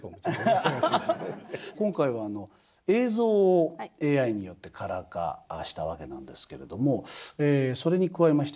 今回は映像をＡＩによってカラー化したわけなんですけれどもそれに加えまして貴重なお写真も。